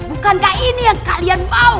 bukankah ini yang kalian mau